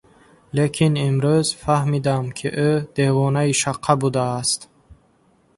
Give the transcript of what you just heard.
Лекин имрӯз фаҳмидам, ки ӯ девонаи шаққа будааст.